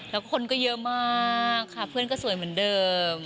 แล้วคนก็เยอะมากค่ะเพื่อนก็สวยเหมือนเดิม